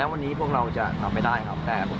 ทีนี้ครับไม่ได้ใจออก